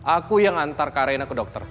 aku yang antar kak raina ke dokter